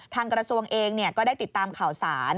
ทางกระทรวงเองก็ได้ติดตามข่าวสาร